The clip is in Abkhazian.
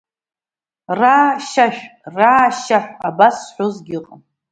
Ра-шьашә, ра-шьаҳә абас зҳәозгьы ыҟан.